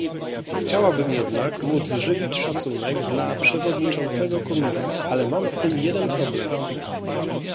Chciałabym jednak móc żywić szacunek dla przewodniczącego Komisji, ale mam z tym jeden problem